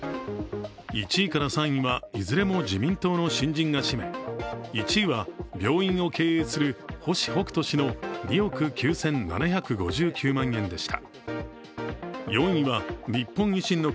１位から３位は、いずれも自民党の新人が占め、１位は病院を経営する星北斗氏の２億９７５９万円でした。